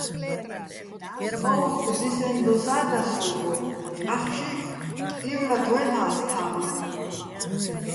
სტო́უხკო̆ დისენო̆ დოსა́ და სო́გო, ახში ივლათ ვაჲლ'ას თა́ბით.